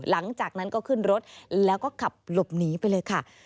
หลังจากนั้นก็ขึ้นรถแล้วก็ขับหลบหนีไปเลยค่ะ